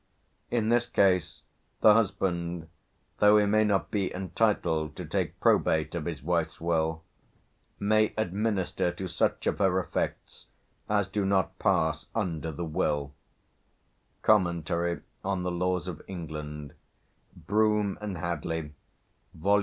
In this case the husband, though he may not be entitled to take probate of his wife's will, may administer to such of her effects as do not pass under the will" ("Comm, on the Laws of England," Broom and Hadley, vol.